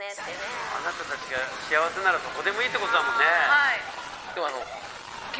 そのあなたたちが幸せならどこでもいいってことだもんね。